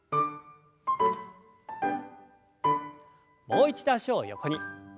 もう一度脚を横に。